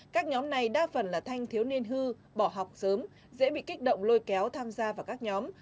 các nhóm này đa phần là thanh thiếu niên hư bỏ học sớm dễ bị kích động lôi kéo tham gia vào các nhóm